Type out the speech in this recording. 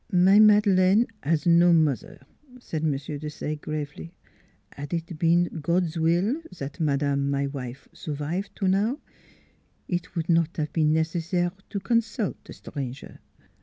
" My Madeleine 'as no mot'er," said M. NEIGHBORS 299 Desaye gravely: "'ad it been God's will zat madame, my wife, survive to now eet would not 'ave been necessaire to consult es tranger.